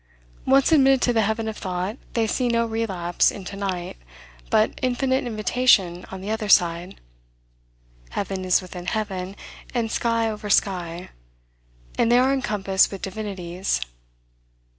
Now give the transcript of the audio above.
Once admitted to the heaven of thought, they see no relapse into night, but infinite invitation on the other side. Heaven is within heaven, and sky over sky, and they are encompassed with divinities.